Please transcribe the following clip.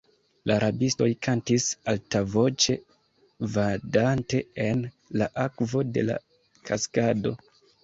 La rabistoj kantis altavoĉe, vadante en la akvo de la kaskado.